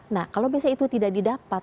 nah kalau biasanya itu tidak didapat